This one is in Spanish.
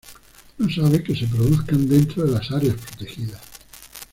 No sabe que se produzcan dentro de las áreas protegidas.